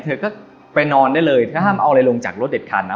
เธอก็ไปนอนได้เลยถ้าห้ามเอาอะไรลงจากรถเด็ดคันนะ